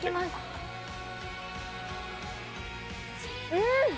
うん！